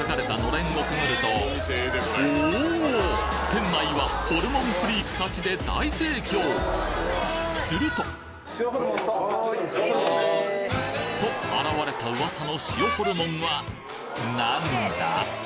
店内はホルモンフリークたちで大盛況すると！と現れた噂の塩ホルモンはなんだ？